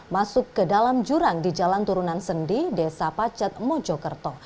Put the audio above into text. masuk ke dalam jurang di jalan turunan sendi desa pacet mojokerto